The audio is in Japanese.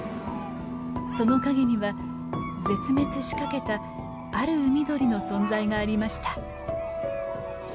その陰には絶滅しかけたある海鳥の存在がありました。